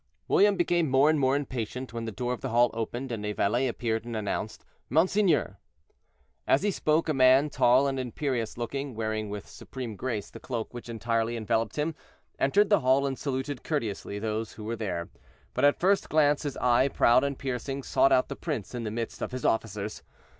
William became more and more impatient, when the door of the hall opened, and a valet appeared and announced "Monseigneur." As he spoke, a man, tall and imperious looking, wearing with supreme grace the cloak which entirely enveloped him, entered the hall, and saluted courteously those who were there. But at the first glance, his eye, proud and piercing, sought out the prince in the midst of his officers.